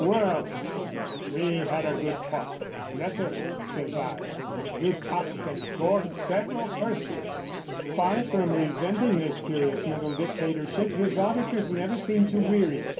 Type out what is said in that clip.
"Well," said he, "we had good talk." "Yes, sir" [says I], "you tossed and gored several persons." Far from resenting this curious mental dictatorship, his auditors never seem to weary.